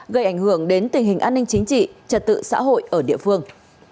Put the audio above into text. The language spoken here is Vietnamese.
gây ảnh hưởng đến tình hình an ninh chính trị trật tự xã hội ở địa phương